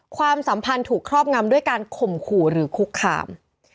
ความสัมพันธ์ถูกครอบงำด้วยการข่มขู่หรือคุกคาม